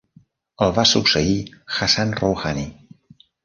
El va succeir Hassan Rouhani.